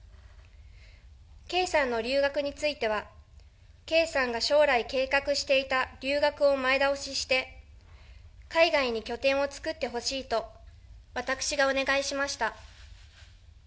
圭さんの留学については、圭さんが将来計画していた留学を前倒しして、海外に拠点を作ってほしいと、私がお願いしました。